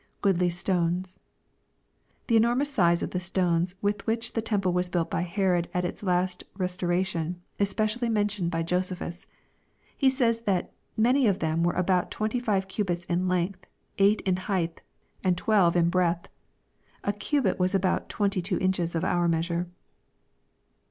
[ Goodly stones^ The enormous size of the stones with which the temple was built by Herod at its last restoration, is specially mentioned by Josephus. He says that "many of them were about twenty five cubits in length, eight in height, and twelve in breadth." A cubit was about twenty two inches of our measure.